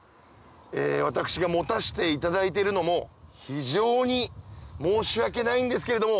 私が持たせていただいてるのも非常に申し訳ないんですけれども。